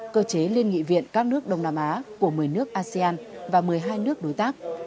cơ chế liên nghị viện các nước đông nam á của một mươi nước asean và một mươi hai nước đối tác